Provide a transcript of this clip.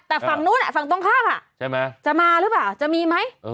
แต่ฝั่งนู้นฝั่งตรงข้ามใช่ไหมจะมาหรือเปล่าจะมีไหม